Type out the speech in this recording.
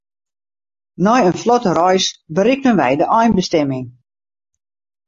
Nei in flotte reis berikten wy de einbestimming.